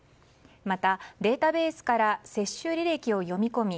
また、データベースから接種履歴を読み込み